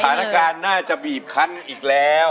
สถานการณ์น่าจะบีบคันอีกแล้ว